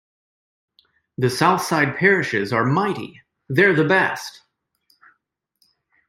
The South Side parishes are mighty-they're the best!